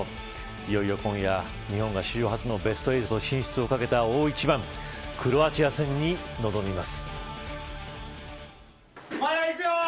いよいよ今夜、日本が史上初のベスト８進出をかけた大一番クロアチア戦に臨みます。